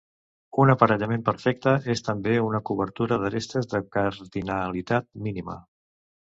Un aparellament perfecte és també una cobertura d'arestes de cardinalitat mínima.